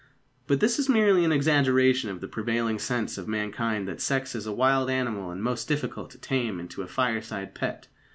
But this is merely an exaggeration of the prevailing sense of mankind that sex is a wild animal and most difficult to tame into a fireside pet.